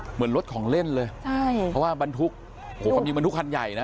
เหมือนรถของเล่นเลยใช่เพราะว่าบรรทุกโอ้โหความจริงบรรทุกคันใหญ่นะ